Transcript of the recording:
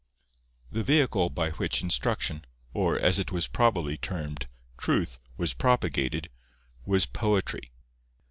The vehicle by which instruction, or, as it was probably termed, truth, was propagated, was poetry.